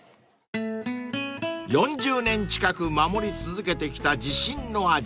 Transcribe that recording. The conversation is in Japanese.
［４０年近く守り続けてきた自信の味］